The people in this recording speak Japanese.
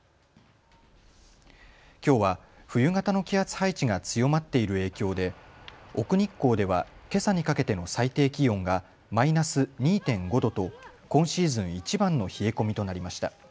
きょうは冬型の気圧配置が強まっている影響で奥日光では、けさにかけての最低気温がマイナス２．５度と今シーズンいちばんの冷え込みとなりました。